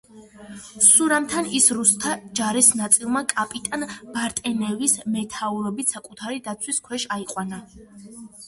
სურამთან ის რუსთა ჯარის ნაწილმა კაპიტან ბარტენევის მეთაურობით საკუთარი დაცვის ქვეშ აიყვანა.